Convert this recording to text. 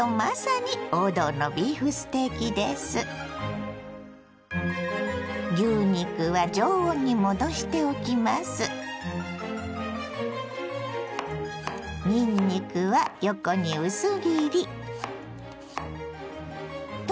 にんにくは横に薄切り。